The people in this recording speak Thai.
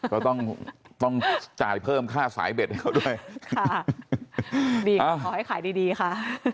ก็ต้องจ่ายเพิ่มค่าสายเบ็ดให้เค้าด้วยขอให้ขายดีค่ะ